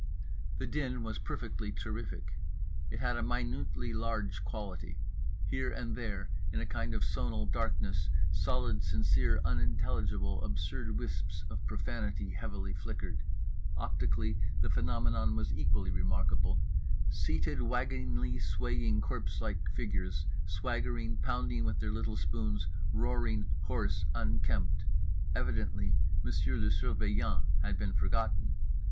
The din was perfectly terrific. It had a minutely large quality. Here and there, in a kind of sonal darkness, solid sincere unintelligible absurd wisps of profanity heavily flickered. Optically the phenomenon was equally remarkable: seated waggingly swaying corpselike figures, swaggering, pounding with their little spoons, roaring, hoarse, unkempt. Evidently Monsieur le Surveillant had been forgotten.